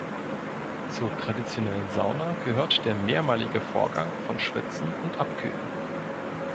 Zur traditionellen Sauna gehört der mehrmalige Vorgang von Schwitzen und Abkühlen.